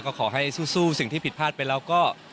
ก็ขอให้สู้สิ่งที่ผิดพลาดไปแล้วก็